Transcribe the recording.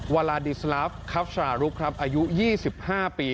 วาลาดิสลาฟคัสรารุกครับอายุ๒๕ปี